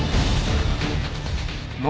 何？